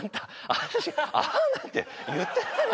私「あん」なんて言ってないのよ